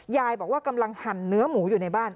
ยายบอกว่ากำลังหั่นเนื้อหมูอยู่ในบ้าน